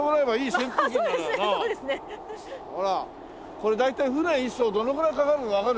これ大体船一艘どのぐらいかかるかわかる？